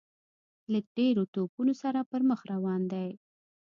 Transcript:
له ډیرو توپونو سره پر مخ روان دی.